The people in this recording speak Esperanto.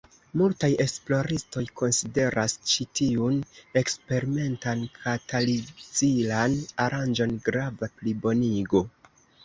Multaj esploristoj konsideras ĉi tiun eksperimentan katalizilan aranĝon grava plibonigo.